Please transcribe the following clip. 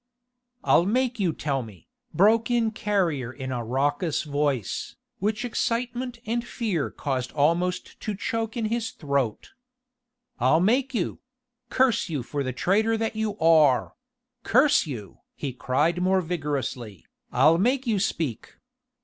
"I'll make you tell me," broke in Carrier in a raucous voice, which excitement and fear caused almost to choke in his throat. "I'll make you ... curse you for the traitor that you are.... Curse you!" he cried more vigorously, "I'll make you speak.